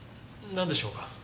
なんでしょうか？